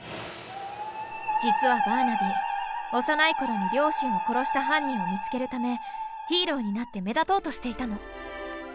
実はバーナビー幼い頃に両親を殺した犯人を見つけるためヒーローになって目立とうとしていたの。